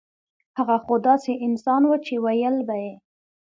هغه خو داسې انسان وو چې وييل به يې